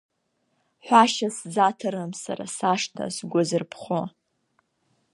Ҳәашьа сзаҭарым сара сашҭа сгәазырԥхо.